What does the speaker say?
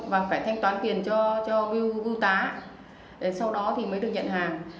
và phải thanh toán tiền cho biêu tá sau đó thì mới được nhận hàng